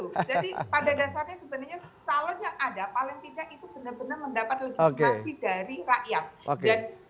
jadi pada dasarnya sebenarnya calon yang ada paling tidak itu benar benar mendapatkan legitimasi dari rakyat